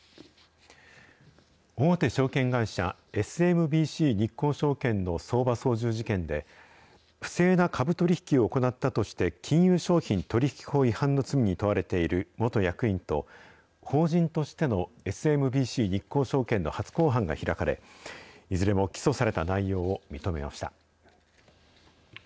大手証券会社、ＳＭＢＣ日興証券の相場操縦事件で、不正な株取り引きを行ったとして、金融商品取引法違反の罪に問われている元役員と、法人としてのＳＭＢＣ日興証券の初公判が開かれ、いずれも起訴された内容を認めました。